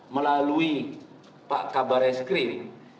melalui pak kabar eskrim